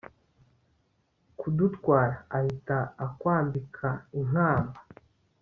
kudutwara, ahita akwambika ikamba